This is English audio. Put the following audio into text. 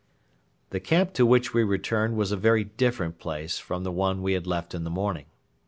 The camp to which we returned was a very different place from the one we had left in the morning.